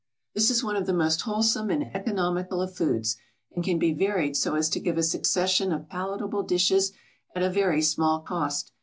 = This is one of the most wholesome and economical of foods, and can be varied so as to give a succession of palatable dishes at a very small cost.